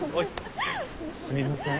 すみません。